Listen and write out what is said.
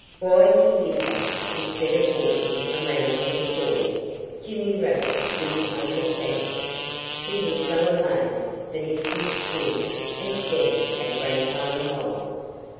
Why he did that, instead of walking around on the shore, Jimmy Rabbit couldn't understand. He was so amazed that he stood still and stared at Grandfather Mole.